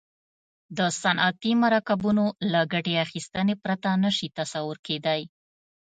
د صنعتي مرکبونو له ګټې اخیستنې پرته نه شي تصور کیدای.